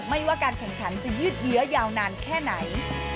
ไม่ว่าการแข่งขันจะยืดเยื้อยาวนานแค่ไหน